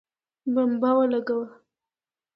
بمبه ولګوه